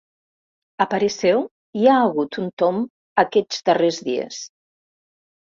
A parer seu, hi ha hagut un tomb aquests darrers dies.